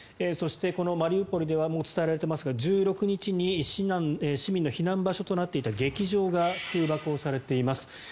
そしてこのマリウポリではもう伝えられていますが１６日に市民の避難場所となっていた劇場が空爆をされています。